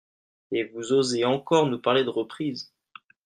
Et vous osez encore nous parler de reprise